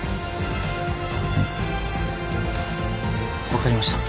分かりました。